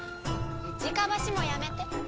直箸もやめて。